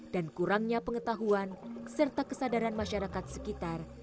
dan kurangnya pengetahuan serta kesadaran masyarakat sekitar